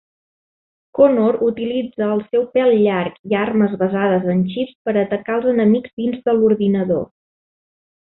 Connor utilitza el seu pel llarg i armes basades en xips per atacar als enemics dins de l'ordinador.